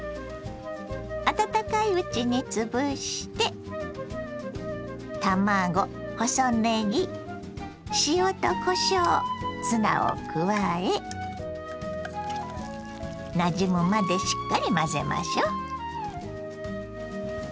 温かいうちにつぶして卵細ねぎ塩とこしょうツナを加えなじむまでしっかり混ぜましょう。